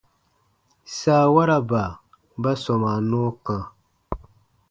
Saawaraba ba sɔmaa nɔɔ kã.